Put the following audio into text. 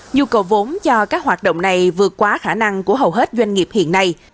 nhu cầu vốn cho các hoạt động này vượt quá khả năng của hầu hết doanh nghiệp hiện nay